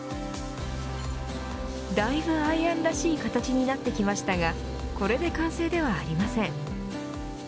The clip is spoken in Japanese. だいぶアイアンらしい形になってきましたがこれで完成ではありません。